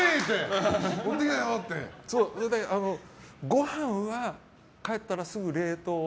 ご飯は、帰ったらすぐ冷凍。